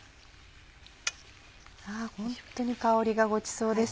あホントに香りがごちそうです。